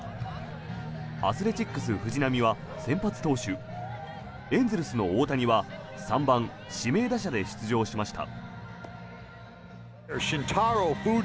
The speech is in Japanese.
アスレチックス、藤浪は先発投手エンゼルスの大谷は３番指名打者で出場しました。